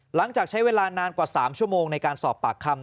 หลังจากใช้เวลานานกว่า๓ชั่วโมงในการสอบปากคำ